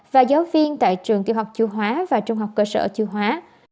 và giáo viên tại trường tiểu học chưu hóa và trung học cơ sở chưu hóa